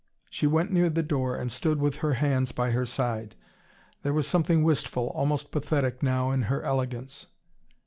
She went near the door, and stood with heir hands by her side. There was something wistful, almost pathetic now, in her elegance.